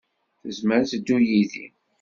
Tezmer ad teddu yid-i.